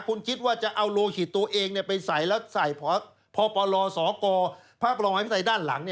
คุณคิดว่าจะเอาโลหิตตัวเองไปใส่แล้วใส่พปลสกพระบรมศัยด้านหลัง